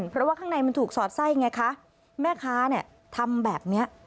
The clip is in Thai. เพราะว่าข้างในมันถูกสอดไส้ไงคะแม่ค้าเนี่ยทำแบบเนี้ย